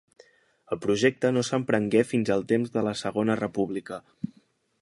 El projecte no s'emprengué fins al temps de la Segona República.